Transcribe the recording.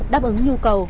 đáp ứng nhu cầu